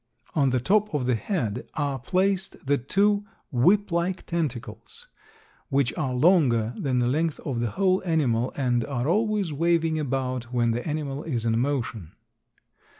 On the top of the head are placed the two whip like tentacles, which are longer than the length of the whole animal and are always waving about when the animal is in motion.